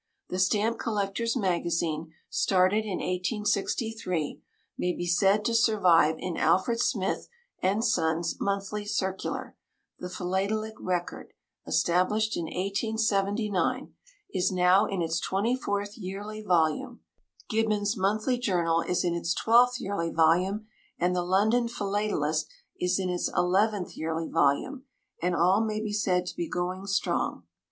The Stamp Collectors' Magazine, started in 1863, may be said to survive in Alfred Smith and Son's Monthly Circular; The Philatelic Record, established in 1879, is now in its twenty fourth yearly volume; Gibbons' Monthly Journal is in its twelfth yearly volume; and The London Philatelist is in its eleventh yearly volume; and all may be said to be going strong.